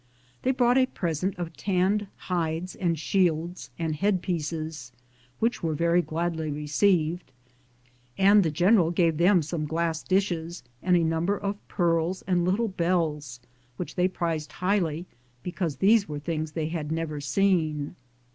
They brought a present of tanned hides and shields and head pieces, which were very gladly received, and the general gave them some glass dishes and a number of pearls and little bells which they prized highly, because these were things they had never seen.